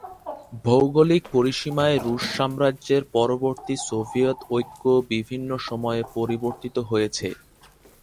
ভৌগোলিক পরিসীমায় রুশ সাম্রাজ্যের পরবর্তী সোভিয়েত ঐক্য বিভিন্ন সময়ে পরিবর্তিত হয়েছে।